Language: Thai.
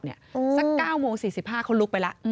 สัก๙โมง๔๕เขาลุกไปแล้ว